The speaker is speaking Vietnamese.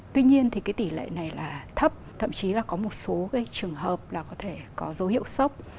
tuy nhiên thì tỷ lệ này là thấp thậm chí là có một số trường hợp có dấu hiệu sốc